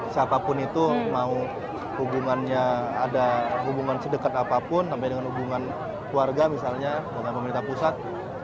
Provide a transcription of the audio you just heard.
siapapun itu mau hubungannya ada hubungan sedekat apapun sampai dengan hubungan keluarga misalnya dengan pemerintah pusat